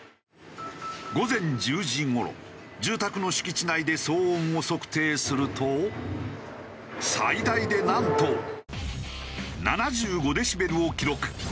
午前１０時頃住宅の敷地内で騒音を測定すると最大でなんと７５デシベルを記録。